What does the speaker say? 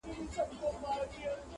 سور سالو يې د لمبو رنګ دی اخيستى!!